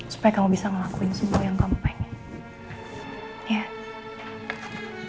supaya kamu bisa ngelakuin semua yang kamu pengen